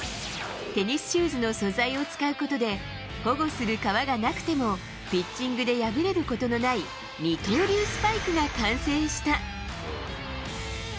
テニスシューズの素材を使うことで、保護する革がなくても、ピッチングで破れることのない二刀流スパイクが完成した。